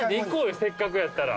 せっかくやったら。